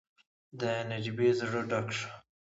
د نجيبې زړه ډک شو.